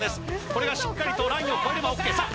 これがしっかりとラインをこえればＯＫさあ